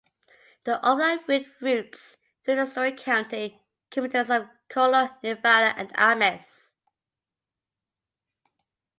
The Overland Route routes through the Story County communities of Colo, Nevada, and Ames.